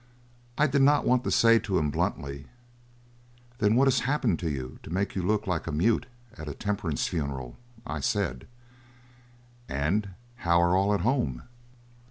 I did not want to say to him bluntly: "Then what has happened to you to make you look like a mute at a temperance funeral?" I said: "And how are all at home?"